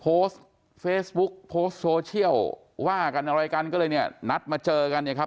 โพสต์เฟซบุ๊กโพสต์โซเชียลว่ากันอะไรกันก็เลยเนี่ยนัดมาเจอกันเนี่ยครับ